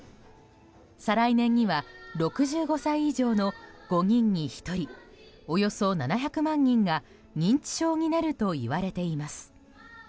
再来年には６５歳以上の５人に１人およそ７００万人が認知症になるといわれています。